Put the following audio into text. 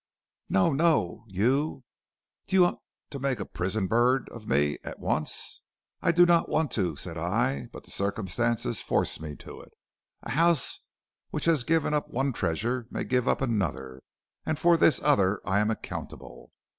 "'No, no, you! Do you want to make a prison bird of me at once?' "'I do not want to,' said I, 'but the circumstances force me to it. A house which has given up one treasure may give up another, and for this other I am accountable.